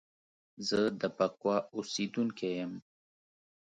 زه د بکواه اوسیدونکی یم